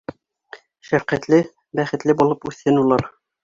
Шәфҡәтле, бәхетле булып үҫһен улар.